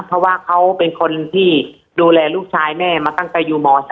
เพราะว่าเขาเป็นคนที่ดูแลลูกชายแม่มาตั้งใจ